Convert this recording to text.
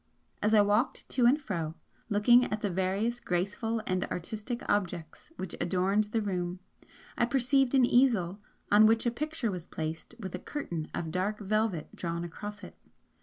As I walked to and fro, looking at the various graceful and artistic objects which adorned the room, I perceived an easel, on which a picture was placed with a curtain of dark velvet drawn across it.